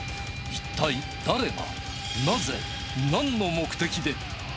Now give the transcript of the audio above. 一体誰が、なぜ、なんの目的で。